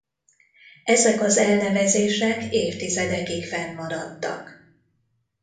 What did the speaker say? Ezek az elnevezések évtizedekig fennmaradtak.